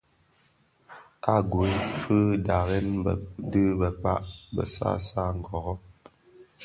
A gwei fyi dharen dhi bekpag Bassassa ngõrrõ .